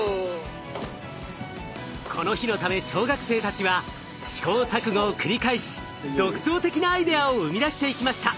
この日のため小学生たちは試行錯誤を繰り返し独創的なアイデアを生み出していきました。